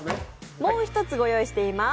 もう一つ御用意しています。